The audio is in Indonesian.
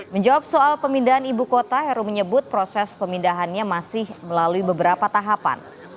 menjawab soal pemindahan ibu kota heru menyebut proses pemindahannya masih melalui beberapa tahapan